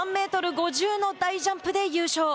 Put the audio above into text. ５０の大ジャンプで優勝。